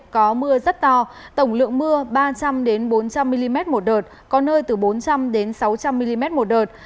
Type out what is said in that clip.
có mưa rất to tổng lượng mưa ba trăm linh bốn trăm linh mm một đợt có nơi từ bốn trăm linh sáu trăm linh mm một đợt